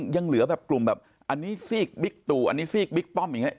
ยังเหลือแบบกลุ่มแบบอันนี้ซีกบิ๊กตู่อันนี้ซีกบิ๊กป้อมอย่างนี้